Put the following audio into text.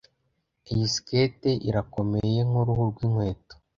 Iyi stake irakomeye nkuruhu rwinkweto.